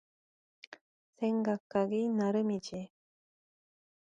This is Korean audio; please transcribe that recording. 생각하기 나름이지.